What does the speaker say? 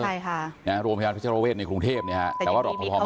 โรงพยาบาลพฤทธิ์โรเวศน์ในกรุงเทพฯแต่ว่าเราควรห้ามห้าม